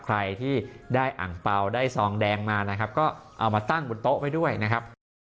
ใครที่ได้อ่างเปล่าได้ซองแดงมานะครับก็เอามาตั้งบนโต๊ะไว้ด้วยนะครับ